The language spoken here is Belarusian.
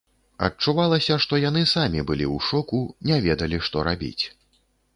Адчувалася, што яны самі былі ў шоку, не ведалі, што рабіць.